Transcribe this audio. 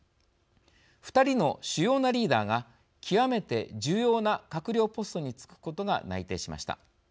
２人の主要なリーダーが極めて重要な閣僚ポストに就くことが内定しました。